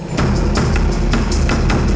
lo ngapain senyum deman